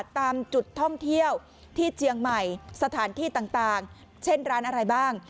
ตามจุดท่องเที่ยวที่เจียงใหม่สถานที่ต่างเช่นร้านอะไรบ้าง